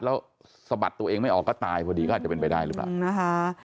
แล้วสะบัดตัวเองไม่ออกก็ตายพอดีก็อาจจะเป็นไปได้หรือเปล่านะคะ